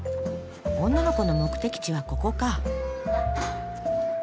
女の子の目的地はここか。